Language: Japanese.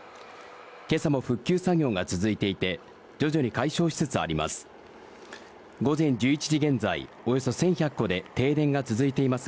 今朝も復旧作業が続いていて、徐々に解消しつつあります。